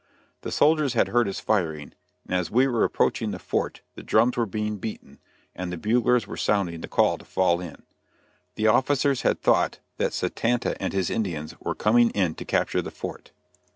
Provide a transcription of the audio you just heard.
The soldiers had heard us firing, and as we were approaching the fort the drums were being beaten, and the buglers were sounding the call to fall in. The officers had thought that Satanta and his Indians were coming in to capture the fort.